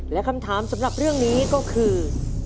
และคำถามสำหรับเรื่องนี้ก็คือ